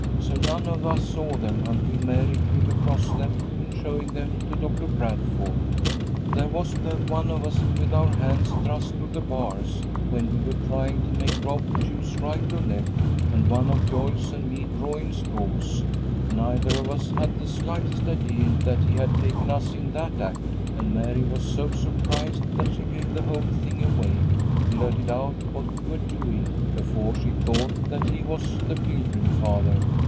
So none of us saw them until Mary came across them in showing them to Doctor Bradford. "There was the one of us with our hands thrust through the bars, when we were trying to make Rob choose right or left, and one of Joyce and me drawing straws. Neither of us had the slightest idea that he had taken us in that act, and Mary was so surprised that she gave the whole thing away blurted out what we were doing, before she thought that he was the Pilgrim Father.